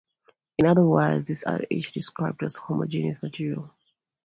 In other words, these are each described as a homogeneous material.